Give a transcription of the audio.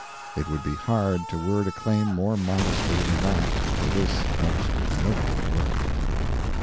It would be hard to word a claim more modestly than that for this most noble work.